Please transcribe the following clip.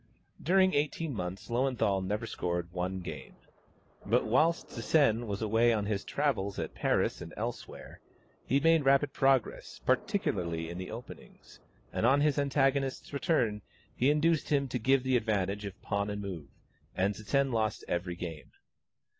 During eighteen months, Löwenthal never scored one game. But whilst Zsen was away on his travels at Paris and elsewhere, he made rapid progress, particularly in the openings; and on his antagonist's return, he induced him to give the advantage of Pawn and Move, and Zsen lost every game.